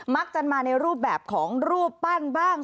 มักจะมาในรูปแบบของรูปปั้นบ้าง